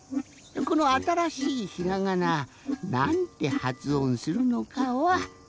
このあたらしいひらがななんてはつおんするのかは。